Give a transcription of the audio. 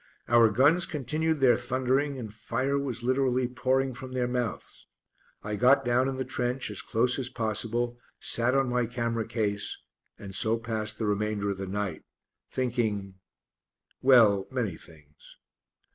Our guns continued their thundering and fire was literally pouring from their mouths. I got down in the trench, as close as possible, sat on my camera case and so passed the remainder of the night, thinking well, many things.